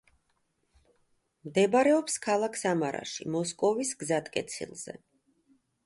მდებარეობს ქალაქ სამარაში მოსკოვის გზატკეცილზე.